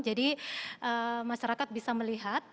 jadi masyarakat bisa melihat